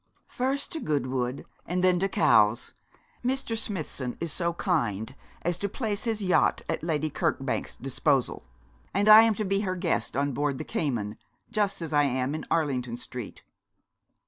'First to Goodwood, and then to Cowes. Mr. Smithson is so kind as to place his yacht at Lady Kirkbank's disposal, and I am to be her guest on board the Cayman, just as I am in Arlington Street.'